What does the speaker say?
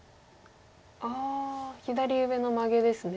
ああ左上のマゲですね。